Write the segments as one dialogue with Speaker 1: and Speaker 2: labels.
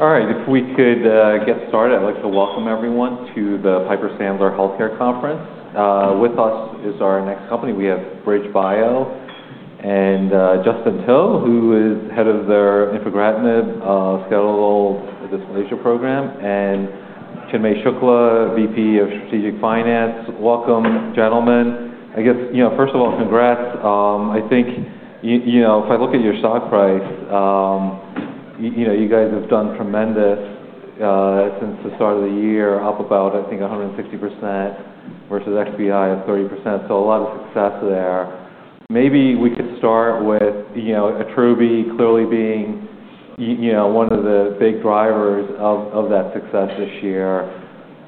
Speaker 1: All right. If we could get started, I'd like to welcome everyone to the Piper Sandler Healthcare Conference. With us is our next company. We have BridgeBio and Justin To, who is head of their Infigratinib, Skeletal Dysplasia program, and Chinmay Shukla, VP of Strategic Finance. Welcome, gentlemen. I guess, you know, first of all, congrats. I think, you know, if I look at your stock price, you know, you guys have done tremendous, since the start of the year, up about, I think, 160% versus XBI of 30%. A lot of success there. Maybe we could start with, you know, Attruby clearly being, you know, one of the big drivers of that success this year.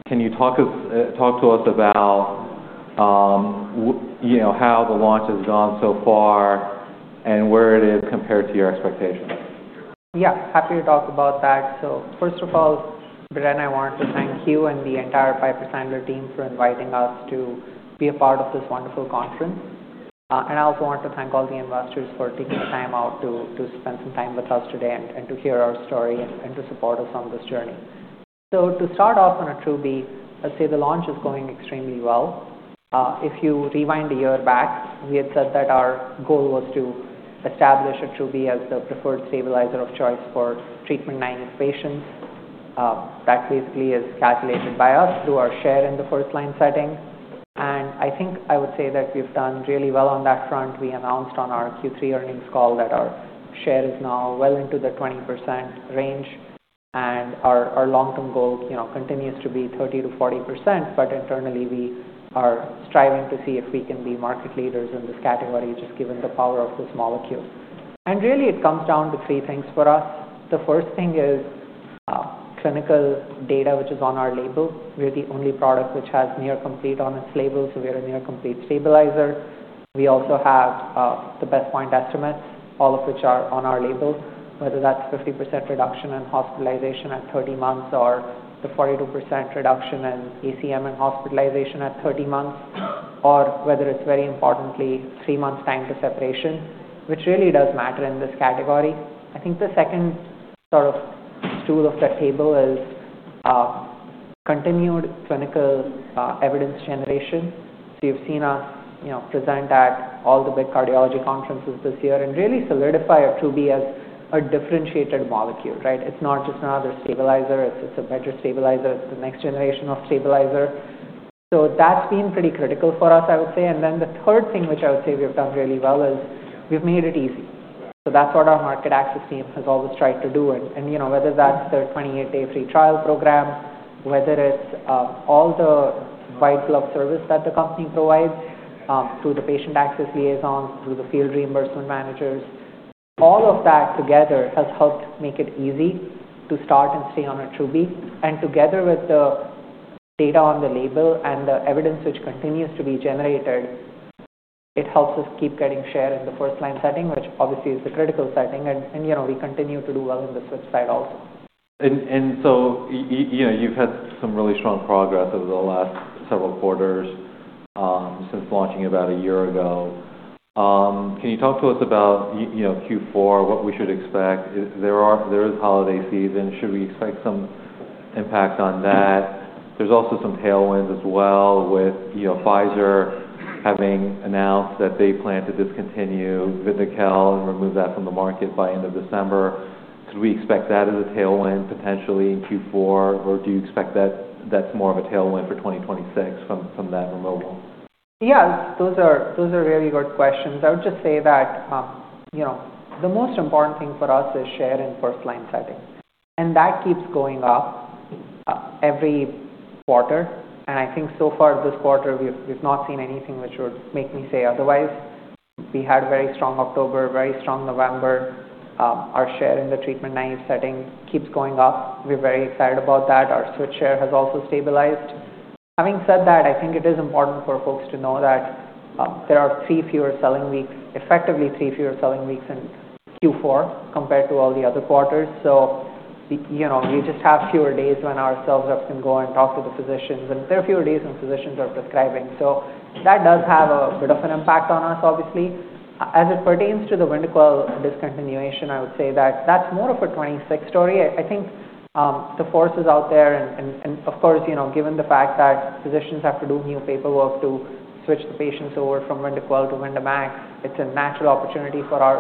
Speaker 1: Can you talk to us about, you know, how the launch has gone so far and where it is compared to your expectations?
Speaker 2: Yeah. Happy to talk about that. First of all, Brian, I want to thank you and the entire Piper Sandler team for inviting us to be a part of this wonderful conference. I also want to thank all the investors for taking the time out to spend some time with us today and to hear our story and to support us on this journey. To start off on Attruby, I'd say the launch is going extremely well. If you rewind a year back, we had said that our goal was to establish Attruby as the preferred stabilizer of choice for treatment-naive patients. That basically is calculated by us through our share in the first-line setting. I think I would say that we've done really well on that front. We announced on our Q3 earnings call that our share is now well into the 20% range, and our long-term goal, you know, continues to be 30-40%. Internally, we are striving to see if we can be market leaders in this category just given the power of this molecule. It comes down to three things for us. The first thing is, clinical data which is on our label. We're the only product which has near complete on its label, so we're a near complete stabilizer. We also have the best point estimates, all of which are on our label, whether that's 50% reduction in hospitalization at 30 months or the 42% reduction in ACM and hospitalization at 30 months, or whether it's very importantly, three months time to separation, which really does matter in this category. I think the second sort of stool of the table is, continued clinical, evidence generation. You have seen us, you know, present at all the big cardiology conferences this year and really solidify Attruby as a differentiated molecule, right? It is not just another stabilizer. It is, it is a better stabilizer. It is the next generation of stabilizer. That has been pretty critical for us, I would say. The third thing which I would say we have done really well is we have made it easy. That is what our market access team has always tried to do. You know, whether that is their 28-day free trial program, whether it is all the white glove service that the company provides, through the patient access liaisons, through the field reimbursement managers, all of that together has helped make it easy to start and stay on Attruby. Together with the data on the label and the evidence which continues to be generated, it helps us keep getting share in the first-line setting, which obviously is the critical setting. And, you know, we continue to do well in the switch side also.
Speaker 1: You know, you've had some really strong progress over the last several quarters, since launching about a year ago. Can you talk to us about, you know, Q4, what we should expect? There is holiday season. Should we expect some impact on that? There's also some tailwinds as well with, you know, Pfizer having announced that they plan to discontinue Vyndaqel and remove that from the market by end of December. Could we expect that as a tailwind potentially in Q4, or do you expect that that's more of a tailwind for 2026 from that removal?
Speaker 2: Yeah. Those are really good questions. I would just say that, you know, the most important thing for us is share in first-line setting. That keeps going up, every quarter. I think so far this quarter, we've not seen anything which would make me say otherwise. We had a very strong October, very strong November. Our share in the treatment-mining setting keeps going up. We're very excited about that. Our switch share has also stabilized. Having said that, I think it is important for folks to know that there are three fewer selling weeks, effectively three fewer selling weeks in Q4 compared to all the other quarters. You know, we just have fewer days when our sales reps can go and talk to the physicians, and there are fewer days when physicians are prescribing. That does have a bit of an impact on us, obviously. As it pertains to the Vyndaqel discontinuation, I would say that that's more of a 2026 story. I think the forces out there and, of course, you know, given the fact that physicians have to do new paperwork to switch the patients over from Vyndaqel to Vyndamax, it's a natural opportunity for our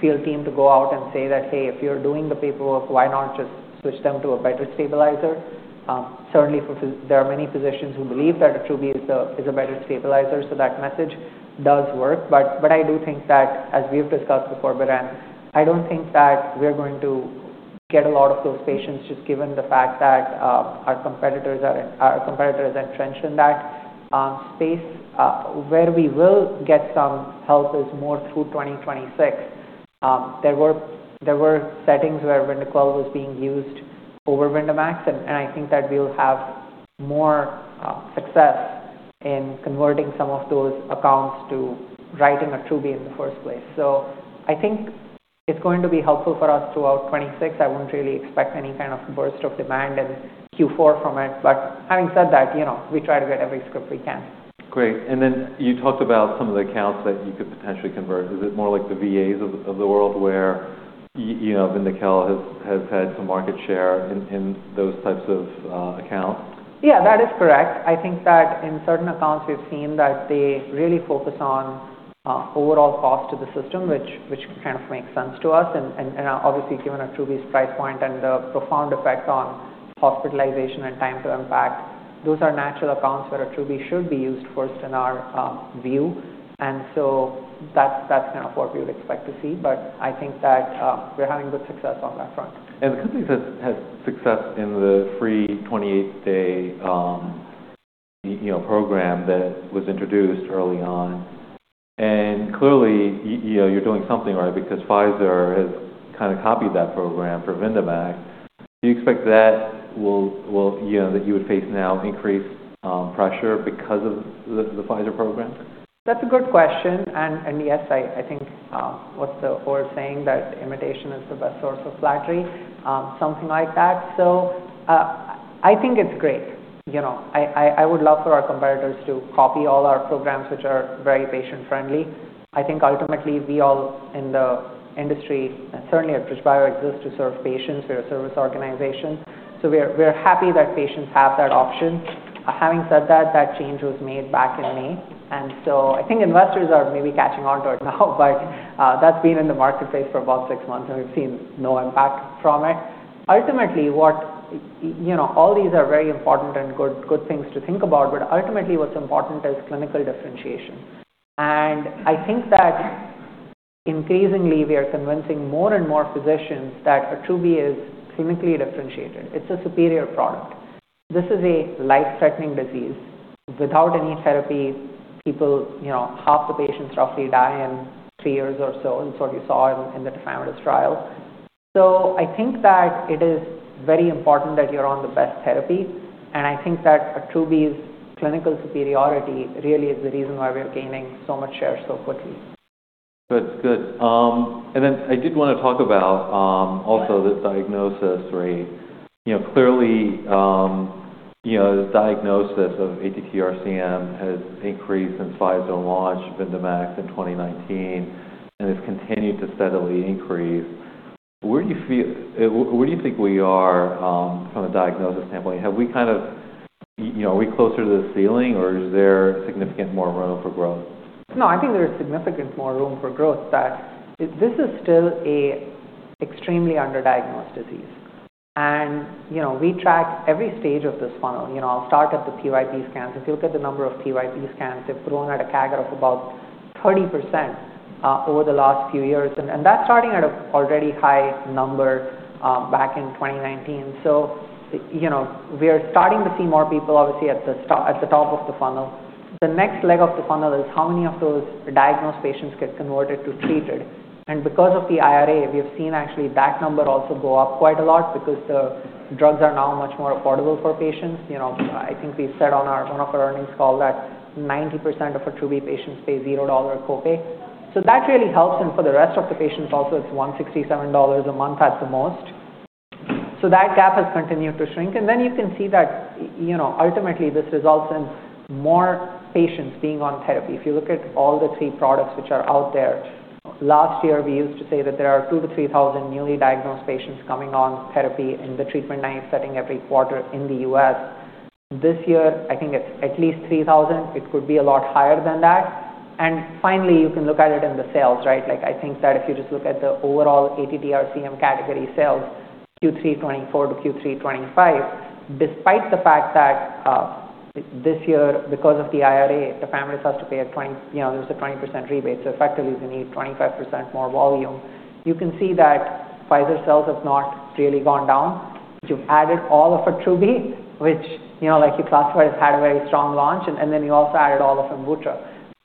Speaker 2: field team to go out and say that, "Hey, if you're doing the paperwork, why not just switch them to a better stabilizer?" Certainly for phys there are many physicians who believe that Attruby is a better stabilizer. So that message does work. I do think that, as we've discussed before, Brian, I don't think that we're going to get a lot of those patients just given the fact that our competitor is entrenched in that space. Where we will get some help is more through 2026. There were settings where Vyndaqel was being used over Vyndamax, and I think that we'll have more success in converting some of those accounts to writing Attruby in the first place. I think it's going to be helpful for us throughout 2026. I wouldn't really expect any kind of burst of demand in Q4 from it. Having said that, you know, we try to get every script we can.
Speaker 1: Great. You talked about some of the accounts that you could potentially convert. Is it more like the VAs of the world where, you know, Vyndaqel has had some market share in those types of accounts?
Speaker 2: Yeah, that is correct. I think that in certain accounts, we've seen that they really focus on overall cost to the system, which kind of makes sense to us. Obviously, given Attruby's price point and the profound effect on hospitalization and time to impact, those are natural accounts where Attruby should be used first in our view. That's kind of what we would expect to see. I think that we're having good success on that front.
Speaker 1: The company has success in the free 28-day, you know, program that was introduced early on. Clearly, you know, you're doing something right because Pfizer has kind of copied that program for Vyndamax. Do you expect that you would face now increased pressure because of the Pfizer program?
Speaker 2: That's a good question. Yes, I think, what's the word saying? That imitation is the best source of flattery, something like that. I think it's great. You know, I would love for our competitors to copy all our programs which are very patient-friendly. I think ultimately we all in the industry, and certainly at BridgeBio, exist to serve patients. We're a service organization. We're happy that patients have that option. Having said that, that change was made back in May. I think investors are maybe catching onto it now, but that's been in the marketplace for about six months, and we've seen no impact from it. Ultimately, you know, all these are very important and good things to think about, but ultimately what's important is clinical differentiation. I think that increasingly we are convincing more and more physicians that Attruby is clinically differentiated. It's a superior product. This is a life-threatening disease. Without any therapy, you know, half the patients roughly die in three years or so. It's what you saw in, in the Tafamidis trial. I think that it is very important that you're on the best therapy. I think that Attruby's clinical superiority really is the reason why we're gaining so much share so quickly.
Speaker 1: That's good. And then I did want to talk about, also the diagnosis rate. You know, clearly, you know, the diagnosis of ATTR-CM has increased since Pfizer launched Vyndamax in 2019 and has continued to steadily increase. Where do you feel, where do you think we are, from a diagnosis standpoint? Have we kind of, you know, are we closer to the ceiling, or is there significant more room for growth?
Speaker 2: No, I think there is significant more room for growth that this is still a extremely underdiagnosed disease. You know, we track every stage of this funnel. You know, I'll start at the PYP scans. If you look at the number of PYP scans, they've grown at a CAGR of about 30% over the last few years. That's starting at a already high number, back in 2019. You know, we are starting to see more people, obviously, at the top of the funnel. The next leg of the funnel is how many of those diagnosed patients get converted to treated. Because of the IRA, we have seen actually that number also go up quite a lot because the drugs are now much more affordable for patients. You know, I think we said on one of our earnings calls that 90% of Attruby patients pay $0 copay. That really helps. For the rest of the patients also, it's $167 a month at the most. That gap has continued to shrink. You can see that, you know, ultimately this results in more patients being on therapy. If you look at all the three products which are out there, last year we used to say that there are 2,000-3,000 newly diagnosed patients coming on therapy in the treatment-mining setting every quarter in the U.S. This year, I think it's at least 3,000. It could be a lot higher than that. Finally, you can look at it in the sales, right? Like, I think that if you just look at the overall ATTR-CM category sales, Q3 2024 to Q3 2025, despite the fact that, this year, because of the Inflation Reduction Act, Tafamidis has to pay a 20% rebate. So effectively, you need 25% more volume. You can see that Pfizer's sales have not really gone down. You've added all of Attruby, which, you know, like you classified as had a very strong launch. And then you also added all of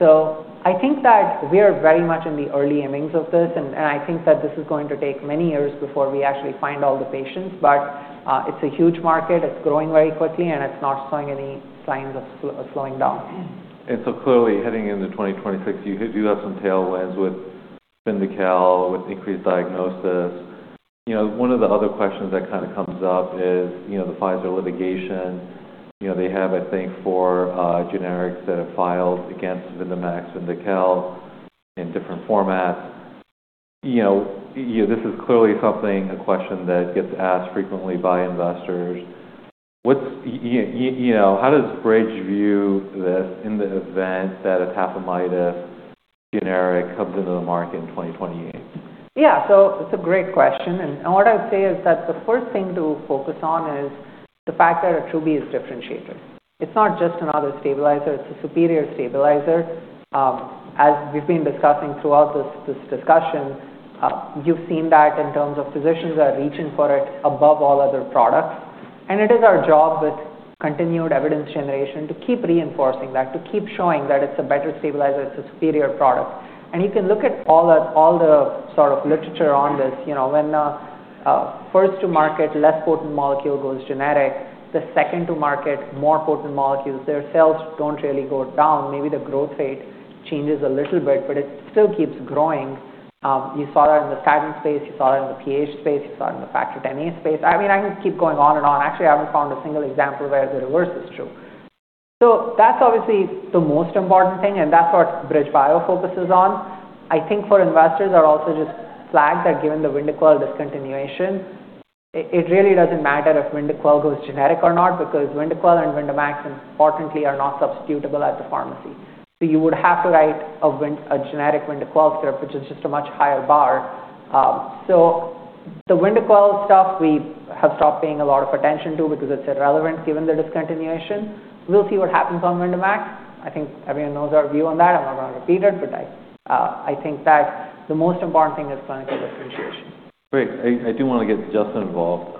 Speaker 2: Amvuttra. I think that we are very much in the early innings of this. I think that this is going to take many years before we actually find all the patients. But, it's a huge market. It's growing very quickly, and it's not showing any signs of slowing down.
Speaker 1: Clearly, heading into 2026, you do have some tailwinds with Vyndaqel with increased diagnosis. You know, one of the other questions that kind of comes up is, you know, the Pfizer litigation. You know, they have, I think, four generics that have filed against Vyndamax/Vyndaqel in different formats. You know, this is clearly something, a question that gets asked frequently by investors. What's, you know, how does BridgeBio view this in the event that a tafamidis generic comes into the market in 2028?
Speaker 2: Yeah. It's a great question. What I would say is that the first thing to focus on is the fact that Attruby is differentiated. It's not just another stabilizer. It's a superior stabilizer. As we've been discussing throughout this discussion, you've seen that in terms of physicians are reaching for it above all other products. It is our job with continued evidence generation to keep reinforcing that, to keep showing that it's a better stabilizer. It's a superior product. You can look at all the sort of literature on this. You know, when first to market, less potent molecule goes generic, the second to market, more potent molecules, their sales do not really go down. Maybe the growth rate changes a little bit, but it still keeps growing. You saw that in the statin space. You saw that in the pH space. You saw it in the factor 10A space. I mean, I can keep going on and on. Actually, I haven't found a single example where the reverse is true. That is obviously the most important thing, and that is what BridgeBio focuses on. I think for investors, I also just flagged that given the Vyndaqel discontinuation, it really doesn't matter if Vyndaqel goes generic or not because Vyndaqel and Vyndamax, importantly, are not substitutable at the pharmacy. You would have to write a generic Vyndaqel script, which is just a much higher bar. The Vyndaqel stuff we have stopped paying a lot of attention to because it is irrelevant given the discontinuation. We'll see what happens on Vyndamax. I think everyone knows our view on that. I'm not gonna repeat it, but I think that the most important thing is clinical differentiation.
Speaker 1: Great. I do wanna get Justin involved.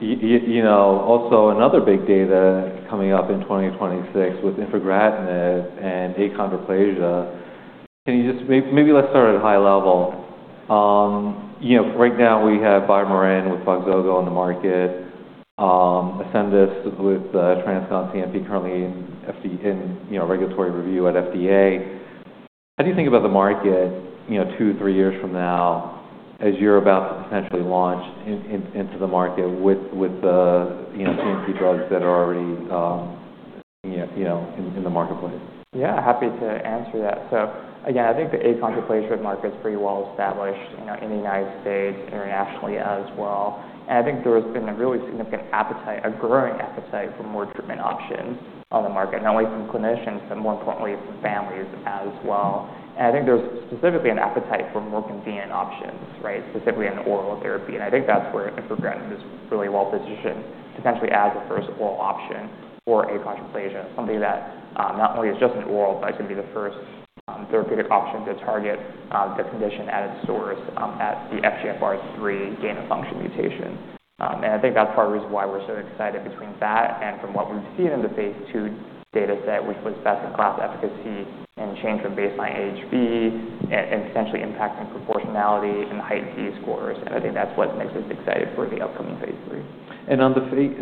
Speaker 1: You know, also another big data coming up in 2026 with infigratinib and achondroplasia. Can you just maybe let's start at a high level?. You know, right now we have BioMarin with Voxzogo on the market, Ascendis with TransCon CNP currently in, you know, regulatory review at FDA. How do you think about the market, you know, two, three years from now as you're about to potentially launch into the market with, you know, CNP drugs that are already, you know, in the marketplace?
Speaker 2: Yeah. Happy to answer that. I think the achondroplasia market's pretty well established, you know, in the United States, internationally as well. I think there has been a really significant appetite, a growing appetite for more treatment options on the market, not only from clinicians but, more importantly, from families as well. I think there's specifically an appetite for more convenient options, right, specifically in oral therapy. I think that's where infigratinib is really well positioned, potentially as the first oral option for achondroplasia, something that, not only is just an oral but can be the first therapeutic option to target the condition at its source, at the FGFR3 gain-of-function mutation. I think that's part of the reason why we're so excited between that and from what we've seen in the phase two data set, which was best-in-class efficacy and change from baseline HB and, and potentially impacting proportionality and height and D scores. I think that's what makes us excited for the upcoming phase three.
Speaker 1: On the phase,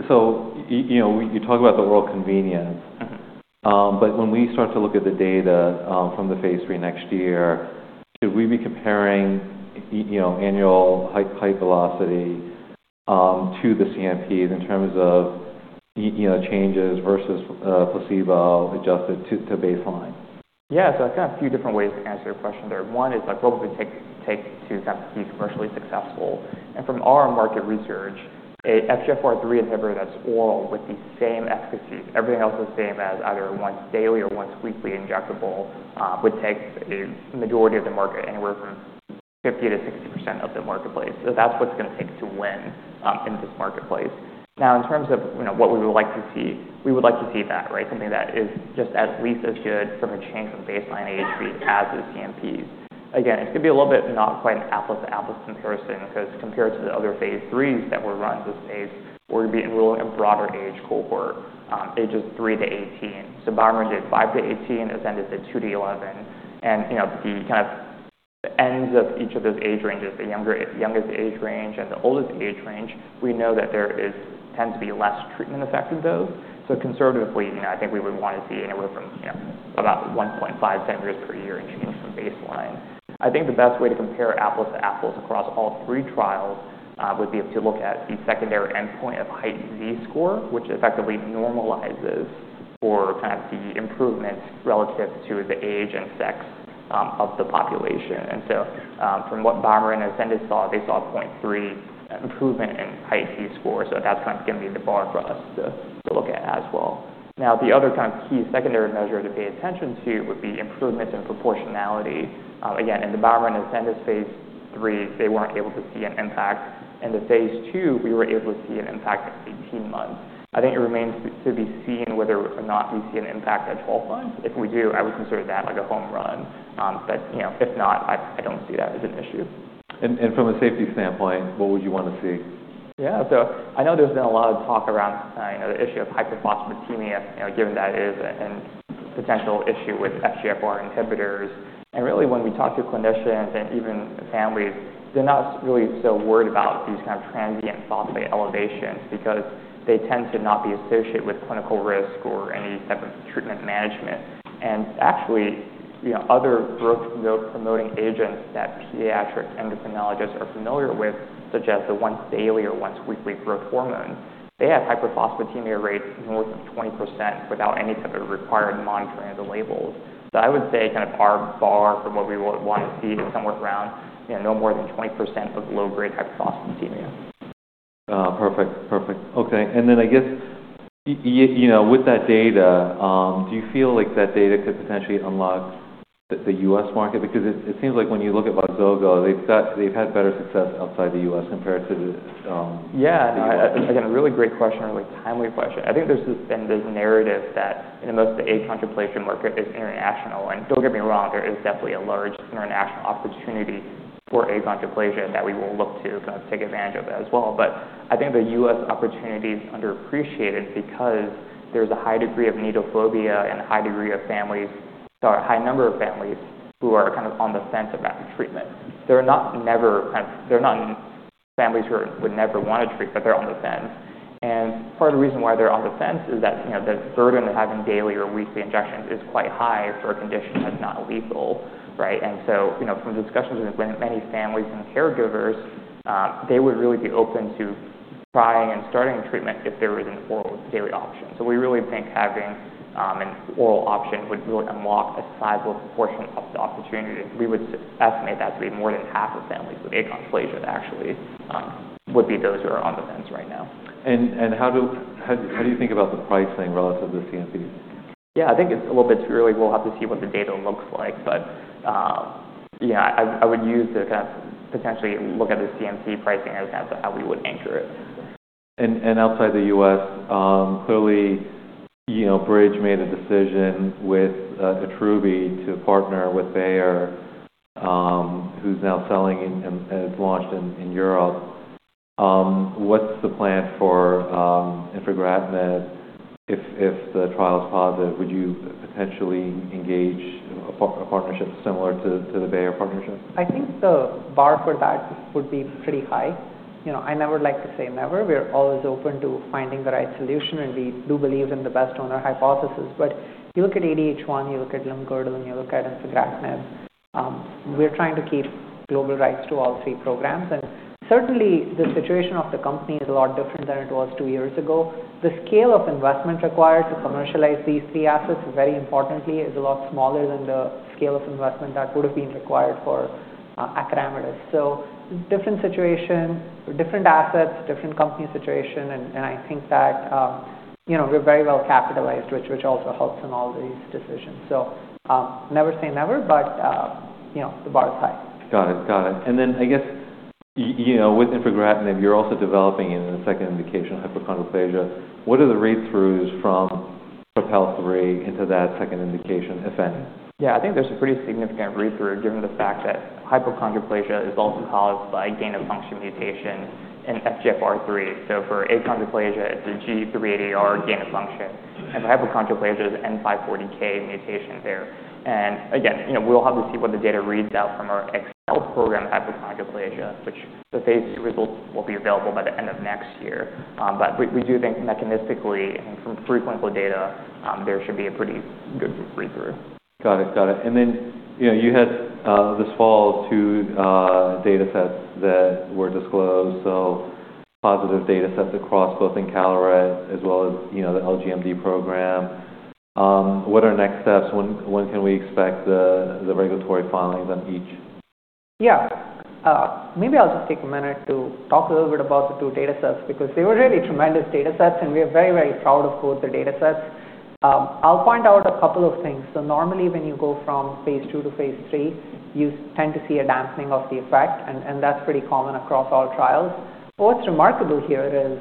Speaker 1: you know, we, you talk about the oral convenience.
Speaker 2: Mm-hmm.
Speaker 1: When we start to look at the data from the phase three next year, should we be comparing, you know, annual height, height velocity, to the CMPs in terms of, you know, changes versus placebo adjusted to baseline?
Speaker 2: Yeah. I've got a few different ways to answer your question there. One is I'd probably take two kind of key commercially successful. From our market research, a FGFR3 inhibitor that's oral with the same efficacy, everything else the same as either once daily or once weekly injectable, would take a majority of the market, anywhere from 50-60% of the marketplace. That's what's gonna take to win in this marketplace. Now, in terms of what we would like to see, we would like to see that, right, something that is just at least as good from a change from baseline HB as the CMPs. Again, it's gonna be a little bit not quite an apples-to-apples comparison 'cause compared to the other phase threes that were run this phase, we're gonna be enrolling a broader age cohort, ages 3 -18. BioMarin did 5 to 18, Ascendis did 2 to 11. You know, the kind of the ends of each of those age ranges, the younger, youngest age range and the oldest age range, we know that there tends to be less treatment effect in those. Conservatively, you know, I think we would wanna see anywhere from, you know, about 1.5 centimeters per year in change from baseline. I think the best way to compare apples-to-apples across all three trials would be to look at the secondary endpoint of height Z score, which effectively normalizes for kind of the improvements relative to the age and sex of the population. From what BioMarin and Ascendis saw, they saw a 0.3 improvement in height Z score. That's kind of gonna be the bar for us to look at as well. Now, the other kind of key secondary measure to pay attention to would be improvements in proportionality. Again, in the BioMarin and Ascendis phase three, they were not able to see an impact. In the phase two, we were able to see an impact at 18 months. I think it remains to be seen whether or not we see an impact at 12 months. If we do, I would consider that like a home run. You know, if not, I do not see that as an issue.
Speaker 1: From a safety standpoint, what would you wanna see?
Speaker 2: Yeah. I know there's been a lot of talk around, you know, the issue of hyperphosphatemia, you know, given that is a, a potential issue with FGFR inhibitors. Really, when we talk to clinicians and even families, they're not really so worried about these kind of transient phosphate elevations because they tend to not be associated with clinical risk or any type of treatment management. Actually, you know, other growth promoting agents that pediatric endocrinologists are familiar with, such as the once daily or once weekly growth hormone, they have hyperphosphatemia rates north of 20% without any type of required monitoring of the labels. I would say kind of our bar for what we would wanna see is somewhere around, you know, no more than 20% of low-grade hyperphosphatemia.
Speaker 1: Perfect. Perfect. Okay. I guess, you know, with that data, do you feel like that data could potentially unlock the U.S. market? Because it seems like when you look at Voxzogo, they've had better success outside the U.S. compared to the,
Speaker 2: Yeah. No, again, a really great question, a really timely question. I think there's this and there's a narrative that, you know, most of the achondroplasia market is international. Don't get me wrong, there is definitely a large international opportunity for achondroplasia that we will look to kind of take advantage of as well. I think the U.S. opportunity's underappreciated because there's a high degree of needle phobia and a high number of families who are kind of on the fence about treatment. They're not families who would never wanna treat, but they're on the fence. Part of the reason why they're on the fence is that, you know, the burden of having daily or weekly injections is quite high for a condition that's not lethal, right? You know, from discussions with many families and caregivers, they would really be open to trying and starting treatment if there was an oral daily option. We really think having an oral option would really unlock a sizable portion of the opportunity. We would estimate that to be more than half of families with achondroplasia actually would be those who are on the fence right now.
Speaker 1: How do you think about the pricing relative to the CMPs?
Speaker 2: Yeah. I think it's a little bit too early. We'll have to see what the data looks like. Yeah, I would use the kind of potentially look at the CMP pricing and kind of how we would anchor it.
Speaker 1: Outside the U.S., clearly, you know, BridgeBio made a decision with Attruby to partner with Bayer, who's now selling and it's launched in Europe. What's the plan for infigratinib if the trial's positive? Would you potentially engage a partnership similar to the Bayer partnership?
Speaker 2: I think the bar for that would be pretty high. You know, I never like to say never. We're always open to finding the right solution, and we do believe in the best owner hypothesis. You look at ADH1, you look at BBP-418, you look at infigratinib. We're trying to keep global rights to all three programs. Certainly, the situation of the company is a lot different than it was two years ago. The scale of investment required to commercialize these three assets, very importantly, is a lot smaller than the scale of investment that would have been required for Attruby. Different situation, different assets, different company situation. I think that, you know, we're very well capitalized, which also helps in all these decisions. Never say never, but, you know, the bar's high.
Speaker 1: Got it. Got it. I guess, you know, with infigratinib, you're also developing in the second indication of hypochondroplasia. What are the read-throughs from PROPEL3 into that second indication, if any?
Speaker 2: Yeah. I think there's a pretty significant read-through given the fact that hypochondroplasia is also caused by gain-of-function mutation in FGFR3. For achondroplasia, it's a G380R gain-of-function. For hypochondroplasia, it's N540K mutation there. Again, you know, we'll have to see what the data reads out from our Excel program hypochondroplasia, which the phase results will be available by the end of next year. We do think mechanistically and from preclinical data, there should be a pretty good read-through.
Speaker 1: Got it. Got it. You know, you had this fall two data sets that were disclosed, so positive data sets across both Encaleret as well as, you know, the LGMD program. What are next steps? When can we expect the regulatory filings on each?
Speaker 2: Yeah. Maybe I'll just take a minute to talk a little bit about the two data sets because they were really tremendous data sets, and we are very, very proud of both the data sets. I'll point out a couple of things. Normally, when you go from phase two to phase three, you tend to see a dampening of the effect, and that's pretty common across all trials. What's remarkable here is,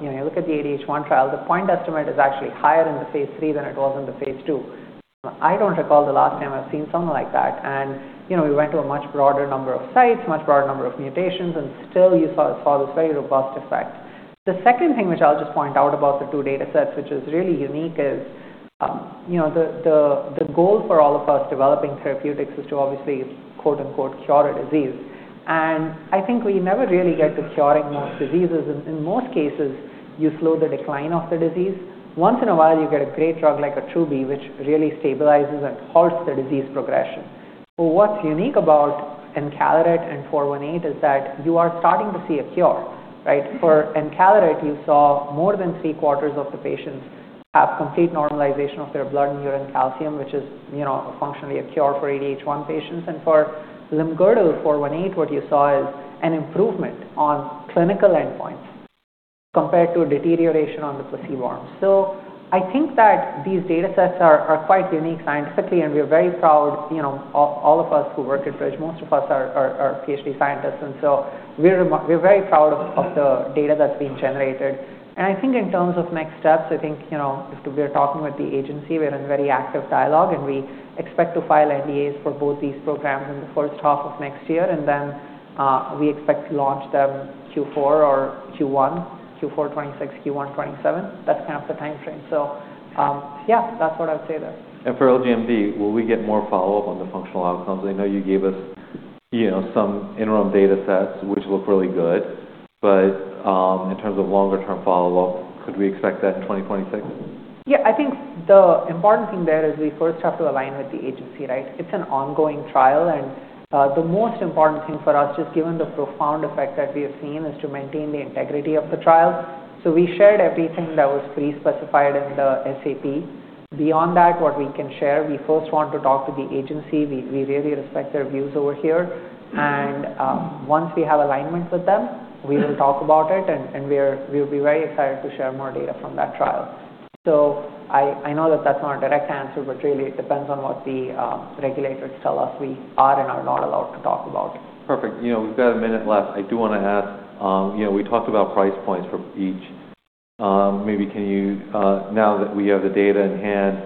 Speaker 2: you know, you look at the ADH1 trial, the point estimate is actually higher in the phase three than it was in the phase two. I don't recall the last time I've seen something like that. You know, we went to a much broader number of sites, much broader number of mutations, and still you saw this very robust effect. The second thing, which I'll just point out about the two data sets, which is really unique, is, you know, the goal for all of us developing therapeutics is to obviously "cure a disease." I think we never really get to curing most diseases. In most cases, you slow the decline of the disease. Once in a while, you get a great drug like Attruby which really stabilizes and halts the disease progression. What's unique about Encaleret and BBP-418 is that you are starting to see a cure, right? For Encaleret, you saw more than three-quarters of the patients have complete normalization of their blood and urine calcium, which is, you know, functionally a cure for ADH1 patients. For BBP-418, what you saw is an improvement on clinical endpoints compared to a deterioration on the placebo arms. I think that these data sets are quite unique scientifically, and we are very proud, you know, all of us who work at BridgeBio, most of us are PhD scientists. We are very proud of the data that's being generated. I think in terms of next steps, you know, if we're talking with the agency, we're in very active dialogue, and we expect to file NDAs for both these programs in the first half of next year. We expect to launch them Q4 2026, Q1 2027. That's kind of the time frame. Yeah, that's what I would say there.
Speaker 1: For LGMD, will we get more follow-up on the functional outcomes? I know you gave us, you know, some interim data sets which look really good. In terms of longer-term follow-up, could we expect that in 2026?
Speaker 2: Yeah. I think the important thing there is we first have to align with the agency, right? It's an ongoing trial. The most important thing for us, just given the profound effect that we have seen, is to maintain the integrity of the trial. We shared everything that was pre-specified in the SAP. Beyond that, what we can share, we first want to talk to the agency. We really respect their views over here. Once we have alignment with them, we will talk about it, and we will be very excited to share more data from that trial. I know that that's not a direct answer, but really, it depends on what the regulators tell us we are and are not allowed to talk about.
Speaker 1: Perfect. You know, we've got a minute left. I do wanna ask, you know, we talked about price points for each. Maybe can you, now that we have the data in hand,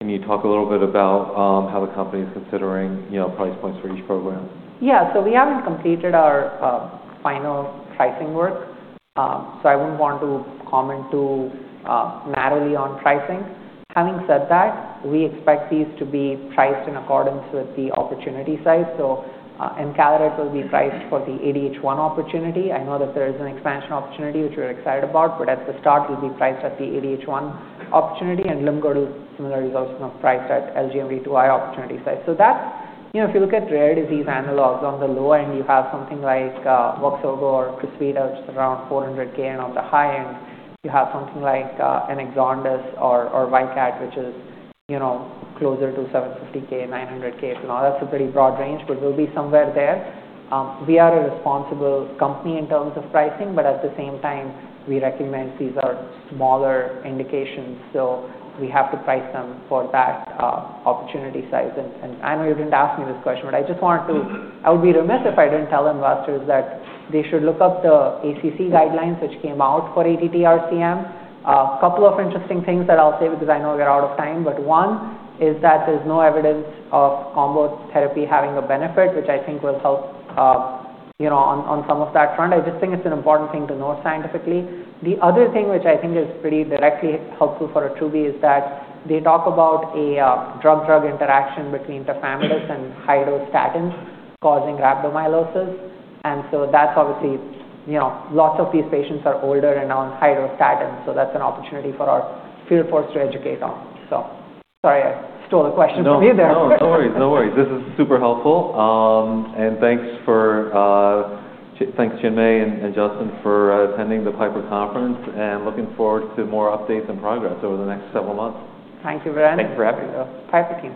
Speaker 1: can you talk a little bit about how the company's considering, you know, price points for each program?
Speaker 2: Yeah. We haven't completed our final pricing work. I wouldn't want to comment too narrowly on pricing. Having said that, we expect these to be priced in accordance with the opportunity size. Encaleret will be priced for the ADH1 opportunity. I know that there is an expansion opportunity which we're excited about, but at the start, it'll be priced at the ADH1 opportunity. BBP-418, similar results, you know, priced at LGMD2i opportunity size. If you look at rare disease analogs, on the lower end, you have something like Voxzogo or Crysvita, which is around $400,000. On the high end, you have something like Exondys 51 or Vyndaqel, which is closer to $750,000-$900,000. That's a pretty broad range, but we'll be somewhere there. We are a responsible company in terms of pricing, but at the same time, we recognize these are smaller indications, so we have to price them for that opportunity size. I know you didn't ask me this question, but I just wanted to, I would be remiss if I didn't tell investors that they should look up the ACC guidelines which came out for ATTR-CM. A couple of interesting things that I'll say because I know we're out of time. One is that there's no evidence of combo therapy having a benefit, which I think will help, you know, on some of that front. I just think it's an important thing to note scientifically. The other thing which I think is pretty directly helpful for Attruby is that they talk about a drug-drug interaction between Tafamidis and high-dose statins causing rhabdomyolysis. That is obviously, you know, lots of these patients are older and are on high-dose statins. That is an opportunity for our field force to educate on. Sorry, I stole a question from you there.
Speaker 1: No, no worries. No worries. This is super helpful, and thanks for, thanks, Chinmay and Justin, for attending the Piper conference. Looking forward to more updates and progress over the next several months.
Speaker 2: Thank you, Brian.
Speaker 1: Thanks for having me.
Speaker 2: PIPER team.